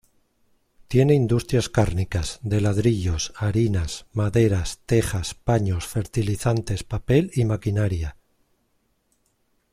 Tiene industrias cárnicas, de ladrillos, harinas, maderas, tejas, paños, fertilizantes, papel y maquinaria.